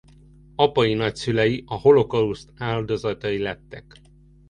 Apai nagyszülei a holokauszt áldozatai lettek.